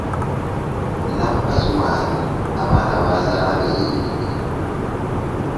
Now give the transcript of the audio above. Nina mukazi wange abaana bazaala be yeebikka.